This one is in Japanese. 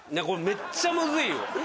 これめっちゃムズいよ。